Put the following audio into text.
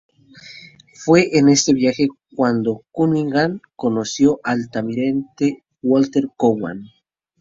Fue en este viaje cuando Cunningham conoció al Almirante Walter Cowan.